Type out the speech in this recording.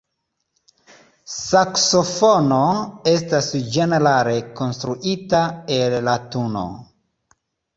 Saksofono estas ĝenerale konstruita el latuno.